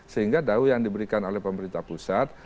sehingga dau yang diberikan oleh pemerintah pusat